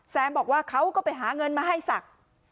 บอกว่าเขาก็ไปหาเงินมาให้ศักดิ์